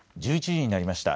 １１時になりました。